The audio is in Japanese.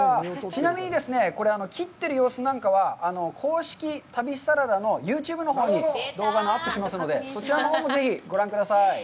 ちなみにですね、これ切ってる様子なんかは公式旅サラダのユーチューブのほうに動画もアップしますので、そちらのほうもぜひご覧ください。